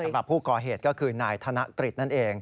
สำหรับผู้ก่อเหตุก็คือนายธนตริศนั่นเอง